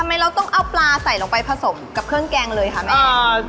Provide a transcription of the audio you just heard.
เราต้องเอาปลาใส่ลงไปผสมกับเครื่องแกงเลยค่ะแม่